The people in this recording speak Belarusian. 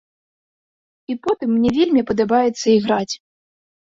І потым мне вельмі падабаецца іграць.